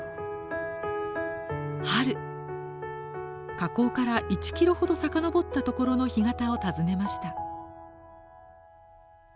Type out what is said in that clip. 河口から１キロほど遡ったところの干潟を訪ねました。